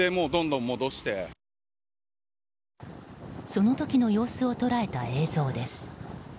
その時の様子を捉えた映像です。